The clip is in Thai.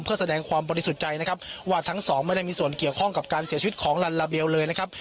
เพื่อแสดงความบริสุทธิ์ใจนะครับว่าทั้งสองไม่ได้มีส่วนเกี่ยวข้องกับการเสียชีวิตของลัลลาเบลเลยนะครับ